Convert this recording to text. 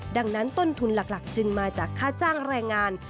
ดังนั้นต้นทุนหลักจึงมาจากค่าจ้างแรงงาน